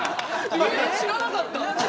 全然知らなかった！